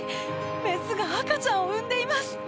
メスが赤ちゃんを産んでいます。